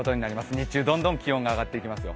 日中どんどん気温が上がっていきますよ。